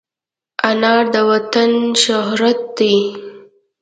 انار د وطن شهرت دی.